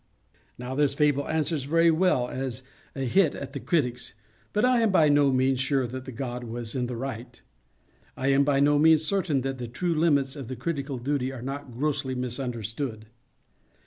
Now this fable answers very well as a hit at the critics—but I am by no means sure that the god was in the right. I am by no means certain that the true limits of the critical duty are not grossly misunderstood.